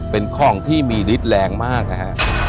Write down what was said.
เป็นของที่มีฤทธิ์แรงมากนะฮะ